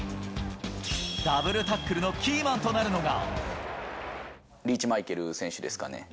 ダブルタックルのキーマンとなるのが。